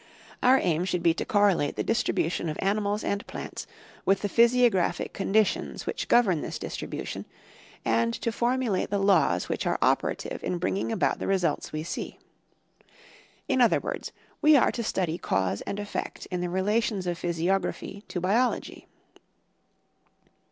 Our aim should be to correlate the distribution of animals and plants with the 162 National Geographic Magazine. physiographic conditions which govern this distribution, and to formulate the laws which are operative in bringing about the re sults we see. In other words, we are to study cause and effect in the relations of physiography to biology.